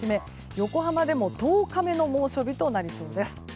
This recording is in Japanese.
横浜でも１０日目の猛暑日となりそうです。